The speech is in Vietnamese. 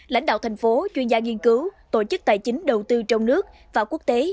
lãnh đạo thành phố chuyên gia nghiên cứu tổ chức tài chính đầu tư trong nước và quốc tế